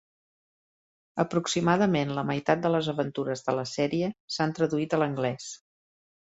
Aproximadament la meitat de les aventures de la sèrie s'han traduït a l'anglès.